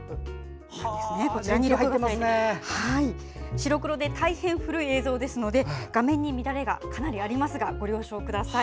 白黒で、大変古い映像ですのでかなり画面が乱れますがご了承ください。